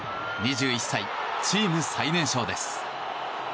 ２１歳、チーム最年少です。